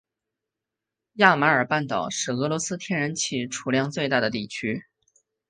亚马尔半岛是俄罗斯天然气储量最大的地区。